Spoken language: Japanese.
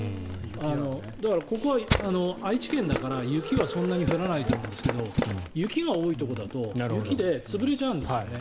だからここは愛知県だから、雪はそんなに降らないと思うんですけど雪が多いところだと雪で潰れちゃうんですよね。